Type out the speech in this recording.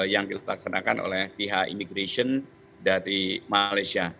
yang dilaksanakan oleh pihak imigration dari malaysia